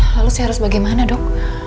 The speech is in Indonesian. lalu seharusnya bagaimana dok